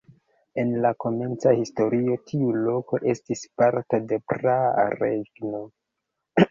En la komenca historio tiu loko estis parto de praa regno.